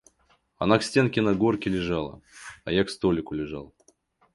Она к стенке на горке лежала, а я к столику лежал.